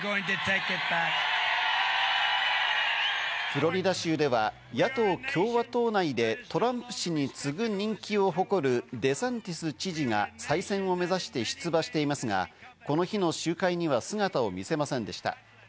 フロリダ州では野党・共和党内でトランプ氏に次ぐ人気を誇るデサンティス知事が再選を目指して出馬していますが、この日の集会には姿を見せませんでした。